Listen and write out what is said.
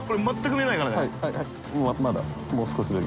まだもう少しだけ。